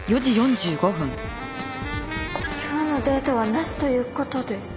今日のデートはなしという事で？